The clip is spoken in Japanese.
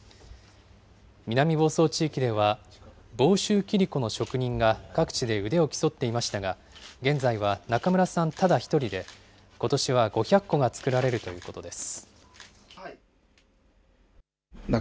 南房総地域では、房州切子の職人が各地で腕を競っていましたが、現在は中村さんただ１人で、ことしは５００個が作られるということです。